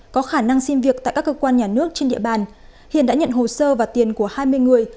có khả năng xin việc tại các cơ quan nhà nước trên địa bàn hiền đã nhận hồ sơ và tiền của hai mươi người